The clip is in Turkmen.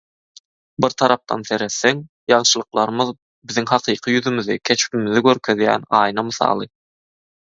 Bir tarapdan seretseň, ýagşylyklarymyz biziň hakyky ýüzümizi, keşbimizi görkezýän aýna mysaly.